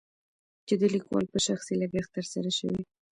چې دليکوال په شخصي لګښت تر سره شوي.